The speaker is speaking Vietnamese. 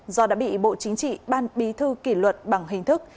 do đã bị bộ chính trị ban bí thư kỷ luật bằng hình thức